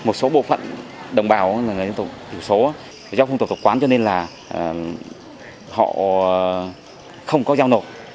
do một số bộ phận đồng bào là người dân tộc thiểu số do phung tộc tộc quán cho nên là họ không có giao nổ